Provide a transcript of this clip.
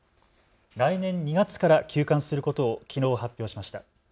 来年２月から休館することをきのう発表しました。